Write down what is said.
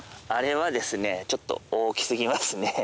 あれはですねちょっと大き過ぎますね。